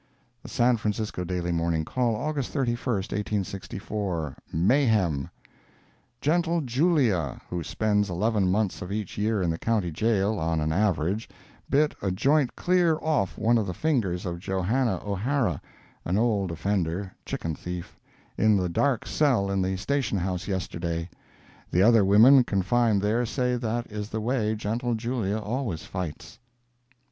The San Francisco Daily Morning Call, August 31, 1864 MAYHEM "Gentle Julia," who spends eleven months of each year in the County Jail, on an average, bit a joint clear off one of the fingers of Joanna O'Hara, (an old offender—chicken thief,) in the "dark cell" in the station house yesterday. The other women confined there say that is the way Gentle Julia always fights.